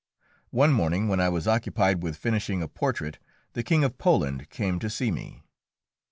One morning, when I was occupied with finishing a portrait, the King of Poland came to see me.